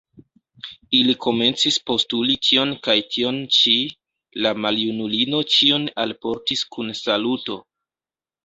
Ili komencis postuli tion kaj tion ĉi; la maljunulino ĉion alportis kun saluto.